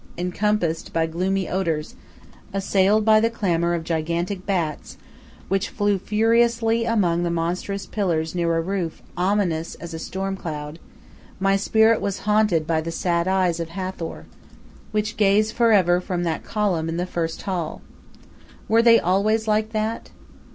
Encompassed by gloomy odors, assailed by the clamour of gigantic bats, which flew furiously among the monstrous pillars near a roof ominous as a storm cloud, my spirit was haunted by the sad eyes of Hathor, which gaze for ever from that column in the first hall. Were they always like that?